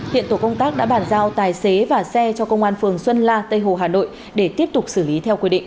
hiện tổ công tác đã bàn giao tài xế và xe cho công an phường xuân la tây hồ hà nội để tiếp tục xử lý theo quy định